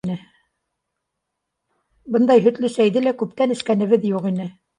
Бындай һөтлө сәйҙе лә күптән эскәнебеҙ юҡ ине.